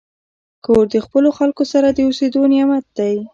کور د خپلو خلکو سره د اوسېدو نعمت دی.